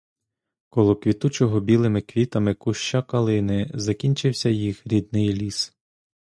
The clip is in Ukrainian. Коло квітучого білими квітами куща калини закінчився їх рідний ліс.